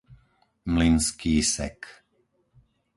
Mlynský Sek